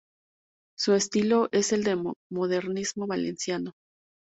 Su estilo es el modernismo valenciano.